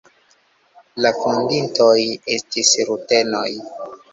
La fondintoj estis rutenoj.